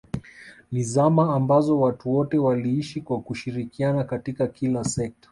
ni zama ambazo watu wote waliishi kwa kushirikiana katika kila sekta